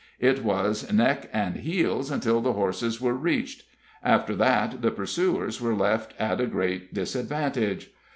It was neck and heels until the horses were reached. After that the pursuers were left at a great disadvantage.